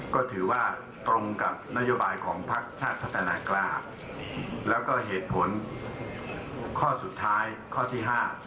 ก็ถือว่าตรงกับนโยบายของพักชาติพัฒนากล้าแล้วก็เหตุผลข้อสุดท้ายข้อที่๕